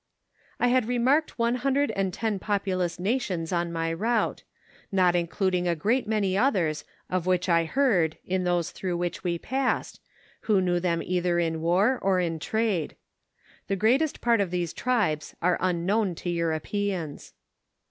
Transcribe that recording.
I had remarked one hundred and ten populous nations on my route, not including a great many others of which I heard in those through which we passed, who knew them either in war, or in trade. The greatest part of these tribes are un known to Europeans.